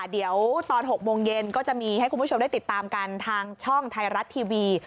เดี๋ยวตอน๖โมงเย็นก็จะมีให้คุณผู้ชมได้ติดตามกันทางช่องไทยรัฐทีวี